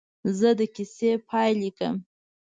زه د کیسې پاې لیکم.